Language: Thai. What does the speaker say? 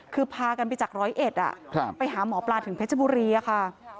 คือพากันไปจากร้อยเอ็ดไปหาหมอปลาถึงเพชรบุรีค่ะ